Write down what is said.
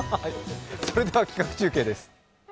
それでは企画中継です。